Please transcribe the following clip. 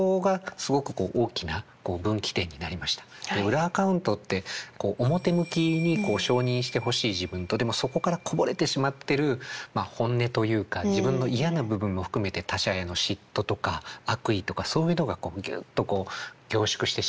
裏アカウントって表向きに承認してほしい自分とでもそこからこぼれてしまってる本音というか自分の嫌な部分も含めて他者への嫉妬とか悪意とかそういうのがギュッとこう凝縮してしまっている。